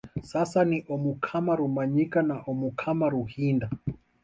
Sasa ni omukama Rumanyika na omukama Ruhinda